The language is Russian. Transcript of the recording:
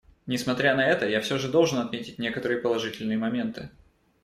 Несмотря на это, я все же должен отметить некоторые положительные моменты.